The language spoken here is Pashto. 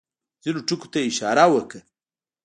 ځینو ټکو ته یې اشاره وکړه.